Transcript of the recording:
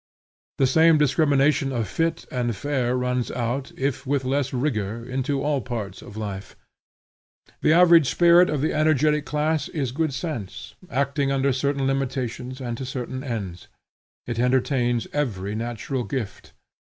The same discrimination of fit and fair runs out, if with less rigor, into all parts of life. The average spirit of the energetic class is good sense, acting under certain limitations and to certain ends. It entertains every natural gift.